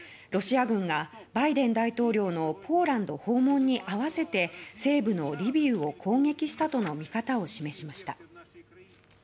ロシア軍がバイデン大統領のポーランド訪問に合わせて西部のリビウを訪問したとの見方を示しました。